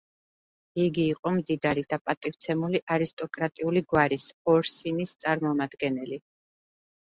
იგი იყო მდიდარი და პატივცემული არისტოკრატიული გვარის: ორსინის წარმომადგენელი.